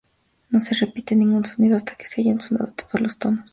No se repite ningún sonido hasta que hayan sonado todos los tonos.